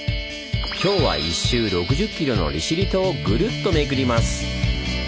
今日は一周６０ｋｍの利尻島をグルッと巡ります！